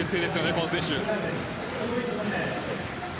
この選手。